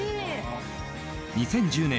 ２０１０年